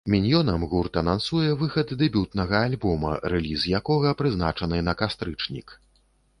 Міньёнам гурт анансуе выхад дэбютнага альбома, рэліз якога прызначаны на кастрычнік.